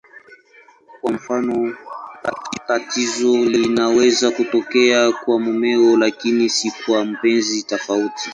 Kwa mfano, tatizo linaweza kutokea kwa mumewe lakini si kwa mpenzi tofauti.